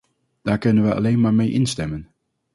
Daar kunnen wij alleen maar mee instemmen.